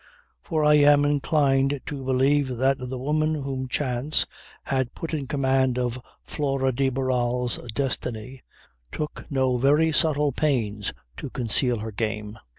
For I am inclined to believe that the woman whom chance had put in command of Flora de Barral's destiny took no very subtle pains to conceal her game.